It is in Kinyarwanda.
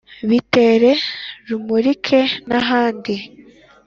bitere rumurike nahandi